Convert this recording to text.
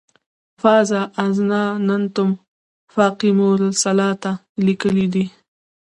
"فاذا اظماننتم فاقیموالصلواته" یې لیکلی دی.